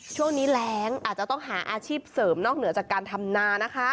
ช่วงนี้แรงอาจจะต้องหาอาชีพเสริมนอกเหนือจากการทำนานะคะ